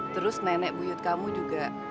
terus nenek buyut kamu juga